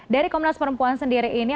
dari komnas perempuan sendiri ini